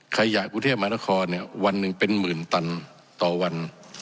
ขยะกรุงเทพมหานครเนี่ยวันหนึ่งเป็นหมื่นตันต่อวัน